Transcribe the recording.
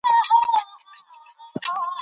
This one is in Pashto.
ماشومانو ته پکار ده چې مرغان په تیږو ونه ولي.